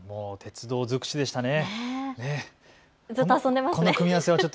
鉄道尽くしでしたね。